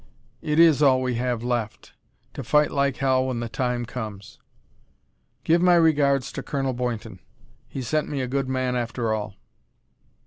It is all we have left to fight like hell when the time comes. Give my regards to Colonel Boynton; he sent me a good man after all."